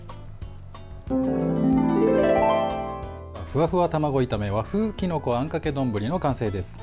ふわふわ卵炒め和風きのこあんかけ丼の完成です。